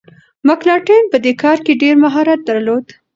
مکناټن په دې کار کي ډیر مهارت درلود.